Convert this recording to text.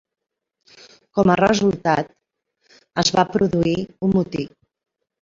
Com a resultat, es va produir un motí.